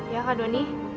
ya kak doni